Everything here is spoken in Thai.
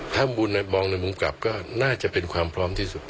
ถ้ามองในมุมกลับก็น่าจะเป็นความพร้อมที่สุด